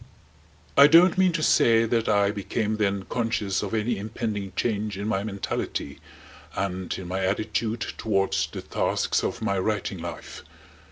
I don't mean to say that I became then conscious of any impending change in my mentality and in my attitude towards the tasks of my writing life.